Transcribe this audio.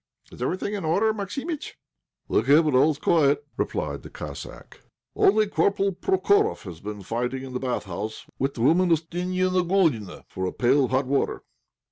Is everything in order, Maximitch?" "Thank heaven! all is quiet," replied the Cossack. "Only Corporal Prokoroff has been fighting in the bathhouse with the woman Oustinia Pegoulina for a pail of hot water."